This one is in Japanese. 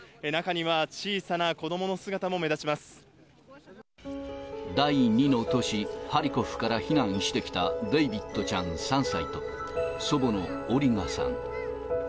中には、小さな子どもの姿も目立第２の都市、ハリコフから避難してきたデイビットちゃん３歳と、祖母のオリガさん。